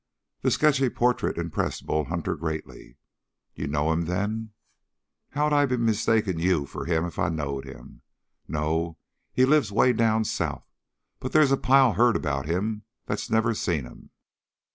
The sketchy portrait impressed Bull Hunter greatly. "You know him, then?" "How'd I be mistaking you for him if I knowed him? No, he lives way down south, but they's a pile heard about him that's never seen him."